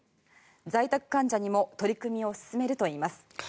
在宅患者にも取り組みを進めるといいます。